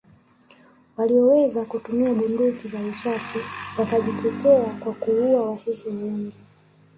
Walioweza kutumia bunduki za risasi wakajitetea na kuua Wahehe wengi